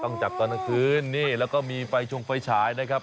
จับตอนกลางคืนนี่แล้วก็มีไฟชงไฟฉายนะครับ